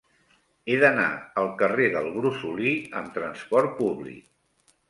He d'anar al carrer del Brosolí amb trasport públic.